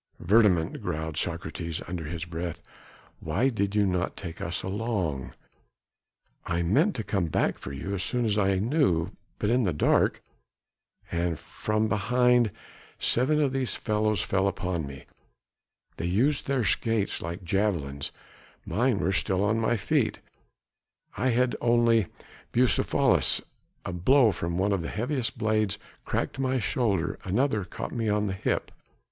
"Verdommt!" growled Socrates under his breath. "Why did you not take us along?" "I meant to come back for you, as soon as I knew ... but in the dark ... and from behind, seven of these fellows fell upon me ... they used their skates like javelins ... mine were still on my feet ... I had only Bucephalus.... A blow from one of the heaviest blades cracked my shoulder, another caught me on the hip.